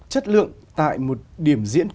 chất lượng tại một điểm diễn